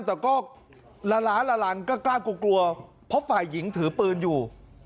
แต่ก็ละล้าละลังก็กล้ากลัวกลัวเพราะฝ่ายหญิงถือปืนอยู่